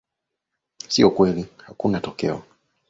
sio kweli hakuna tokeo